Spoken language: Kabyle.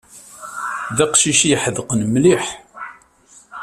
D aqcic ay iḥedqen mliḥ.